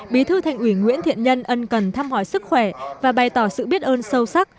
bí thư thành ủy nguyễn thiện nhân ân cần thăm hỏi sức khỏe và bày tỏ sự biết ơn sâu sắc